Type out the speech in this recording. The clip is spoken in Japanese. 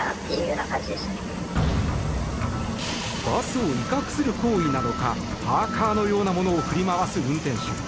バスを威嚇する行為なのかパーカのようなものを振り回す運転手。